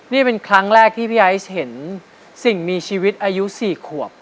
นี่เป็นครั้งแรกที่พี่ไอซ์เห็นสิ่งมีชีวิตอายุ๔ขวบ